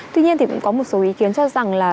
tuy nhiên thì cũng có một số ý kiến cho rằng là